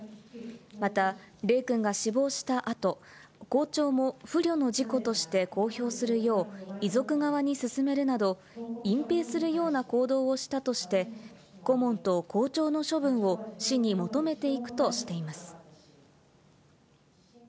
また、怜君が死亡したあと、校長も不慮の事故として公表するよう、遺族側に勧めるなど、隠蔽するような行動をしたとして、顧問と校長の処分を市に求めていくとしています。